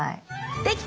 できた！